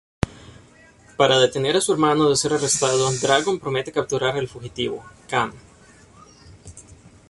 Para detener a su hermano de ser arrestado, Dragon promete capturar al fugitivo, Kam.